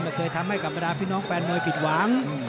เคยทำให้กับบรรดาพี่น้องแฟนมวยผิดหวัง